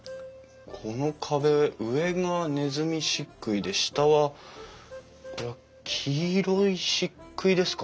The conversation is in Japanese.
この壁上がねずみ漆喰で下はこれは黄色い漆喰ですか？